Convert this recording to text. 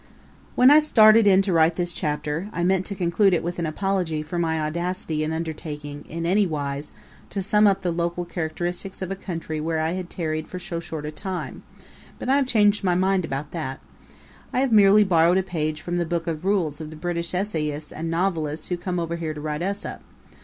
When I started in to write this chapter, I meant to conclude it with an apology for my audacity in undertaking in any wise to sum up the local characteristics of a country where I had tarried for so short a time, but I have changed my mind about that. I have merely borrowed a page from the book of rules of the British essayists and novelists who come over here to write us up.